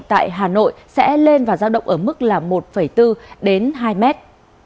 tại hà nội sẽ lên và giao động ở mức là một bốn đến hai mét